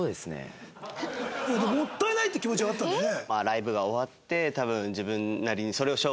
もったいないって気持ちはあったんだよね？